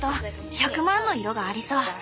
１００万の色がありそう。